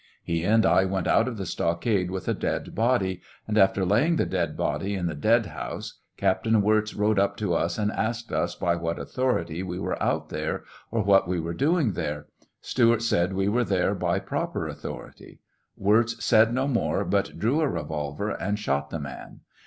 He and I went out of the stockade with a dead body, and after laying the dead body in the dead house, Captain Wirz rode up to us and asked us by what author ity we were out there or what we were doing there. Stewart said we were there by proper authority. Wirz said no more, but drew a revolver and shot the man.